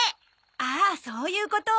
ああそういうこと。